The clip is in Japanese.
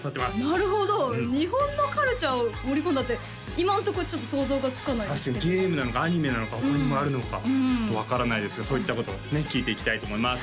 なるほど日本のカルチャーを盛り込んだって今んとこちょっと想像がつかない確かにゲームなのかアニメなのか他にもあるのかちょっと分からないですがそういったことをね聞いていきたいと思います